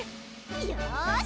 よし！